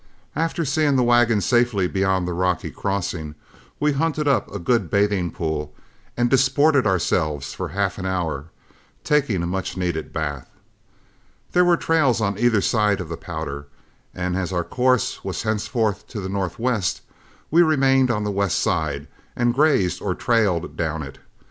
After seeing the wagon safely beyond the rocky crossing, we hunted up a good bathing pool and disported ourselves for half an hour, taking a much needed bath. There were trails on either side of the Powder, and as our course was henceforth to the northwest, we remained on the west side and grazed or trailed down it.